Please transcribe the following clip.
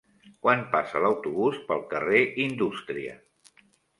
Quan passa l'autobús pel carrer Indústria?